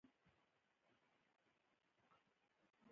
د حق لاره تل بریالۍ وي.